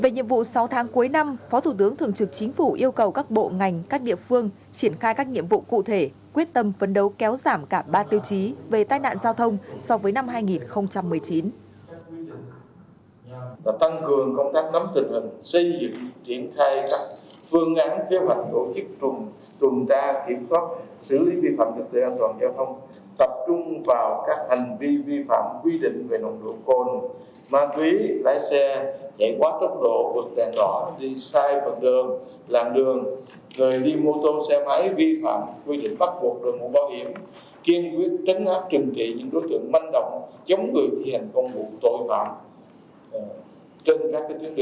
nhiệm khắc nhở một mươi bốn địa phương có số vụ tai nạn giao thông và có số người chết tăng cao yêu cầu lãnh đạo các địa phương triển khai các nhiệm vụ cụ thể quyết tâm phấn đấu kéo giảm cả ba tiêu chí về năm hai nghìn một mươi chín